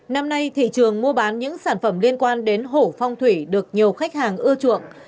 năm nay thị trường mua bán những sản phẩm liên quan đến hổ phong thủy được nhiều khách hàng ưa chuộng